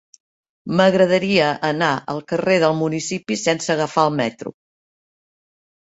M'agradaria anar al carrer del Municipi sense agafar el metro.